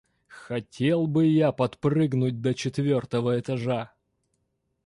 Хотел бы я подпрыгнуть до четвёртого этажа!